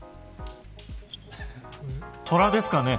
トラですかね。